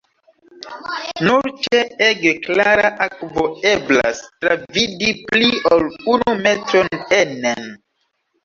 Nur ĉe ege klara akvo eblas travidi pli ol unu metron enen.